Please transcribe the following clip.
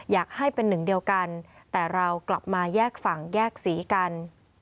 อยากให้เป็นหนึ่งเดียวกันแต่เรากลับมาแยกฝั่งแยกสีกัน